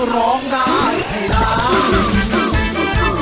ร้องได้ให้ร้าน